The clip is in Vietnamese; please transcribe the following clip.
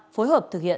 phối hợp thực hiện